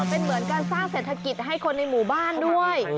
เป็นเหมือนการสร้างเศรษฐกิจให้คนในหมู่บ้านด้วย